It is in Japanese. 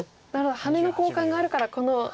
ハネの交換があるからこの切りが。